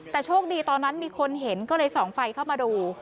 แต่โชคดีตอนนั้นมีคนเห็นก็เลยส่องไฟเข้ามาดู